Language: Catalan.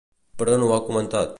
Per on ho ha comentat?